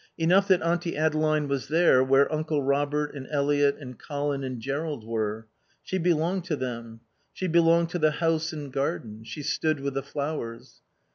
Enough that Auntie Adeline was there where Uncle Robert and Eliot and Colin and Jerrold were; she belonged to them; she belonged to the house and garden; she stood with the flowers.